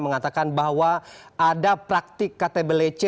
mengatakan bahwa ada praktik ktblc